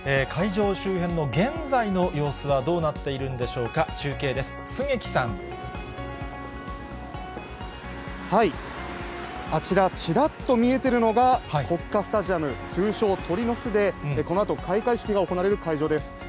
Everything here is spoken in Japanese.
会場周辺の現在の様子はどうなっているんでしょうか、中継です、あちら、ちらっと見えてるのが国家スタジアム、通称、鳥の巣で、このあと、開会式が行われる会場です。